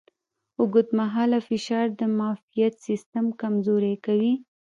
اوږدمهاله فشار د معافیت سیستم کمزوری کوي.